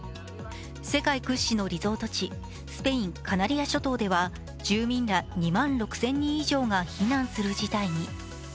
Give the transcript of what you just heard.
世界屈指のリゾート地、スペイン・カナリア諸島では住民ら２万６０００人以上が避難する事態に。